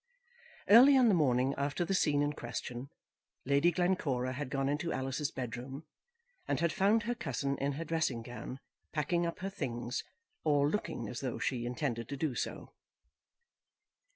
Early on the morning after the scene in question, Lady Glencora had gone into Alice's bedroom, and had found her cousin in her dressing gown, packing up her things, or looking as though she intended to do so.